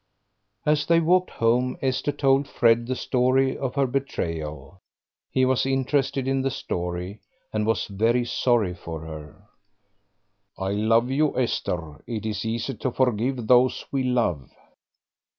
As they walked home Esther told Fred the story of her betrayal. He was interested in the story, and was very sorry for her. "I love you, Esther; it is easy to forgive those we love."